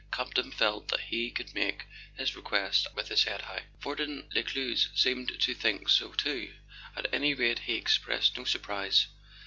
Campton felt that he could make his request with his head high. Fortin Lescluze seemed to think so too; at any rate he expressed no surprise.